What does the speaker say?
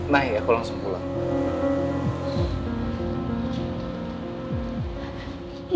nah ya aku langsung pulang